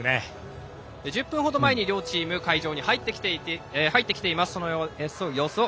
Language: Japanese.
１０分程前に両チーム会場に入ってきています。